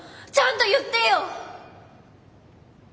ちゃんと言ってよ！